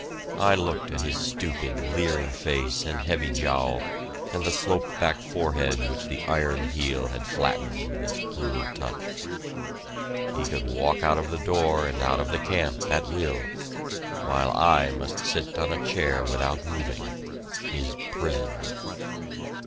I looked at his stupid, leering face and heavy jowl, and the sloped back forehead which the iron heel had flattened with its cruel touch. He could walk out of the door and out of the camp, at will, while I must sit on a chair without moving, his prisoner!